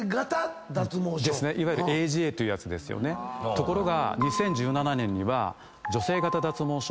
ところが。